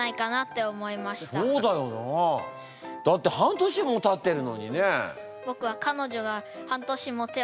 だって半年もたってるのにね。